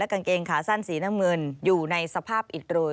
กางเกงขาสั้นสีน้ำเงินอยู่ในสภาพอิดโรย